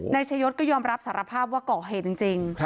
นายชายศก็ยอมรับสารภาพว่าก่อเหตุจริง